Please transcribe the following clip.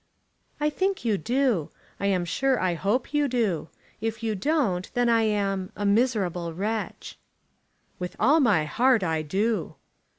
"I think you do. I am sure I hope you do. If you don't, then I am a miserable wretch." "With all my heart I do."